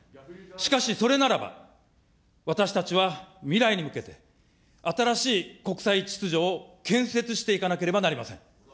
しかしそれならば、私たちは未来に向けて、新しい国際秩序を建設していかなければなりません。